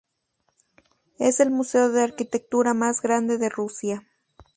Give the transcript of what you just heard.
Es el museo de arquitectura más grande de Rusia.